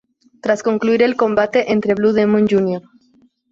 Tras concluir el combate entre Blue Demon, Jr.